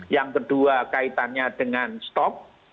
yang kedua kaitannya dengan stop